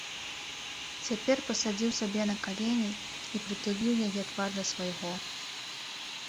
Цяпер пасадзіў сабе на калені і прытуліў яе твар да свайго.